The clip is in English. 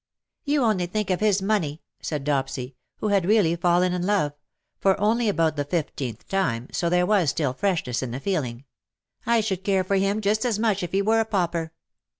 ''^" You only think of his 'money/' said Dopsy, who had really fallen in love — for only about the fifteenth time, so there was still freshness in the feeling —" I should care for him just as much if he were a pauper.''